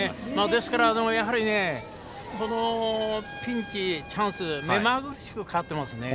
ですから、やはりピンチ、チャンスがめまぐるしく変わってますね。